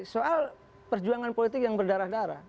soal perjuangan politik yang berdarah darah